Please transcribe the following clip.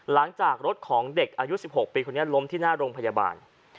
หลังจากรถของเด็กอายุ๑๖ปีคนนี้ล้มที่หน้าโรงพยาบาล